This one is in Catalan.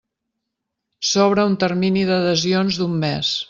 S'obre un termini d'adhesions d'un mes.